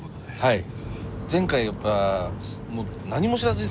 はい。